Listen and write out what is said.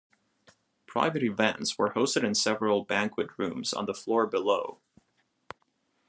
Private events were hosted in several banquet rooms on the floor below.